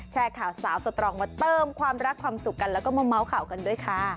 แชร์ข่าวสาวสตรองมาเติมความรักความสุขกันแล้วก็มาเมาส์ข่าวกันด้วยค่ะ